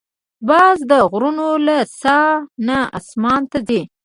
باز د غرونو له سر نه آسمان ته ځي